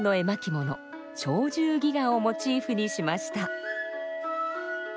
「鳥獣戯画」をモチーフにしました。